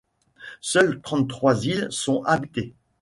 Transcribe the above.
Seules trente-trois îles sont habitées.